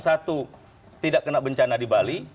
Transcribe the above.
satu tidak kena bencana di bali